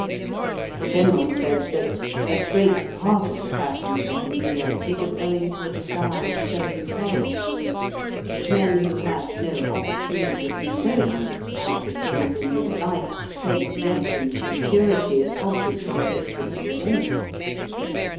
The General said, that 'a great part of the fashionable infidelity was owing to a desire of shewing courage. Men who have no opportunities of shewing it as to things in this life, take death and futurity as objects on which to display it.'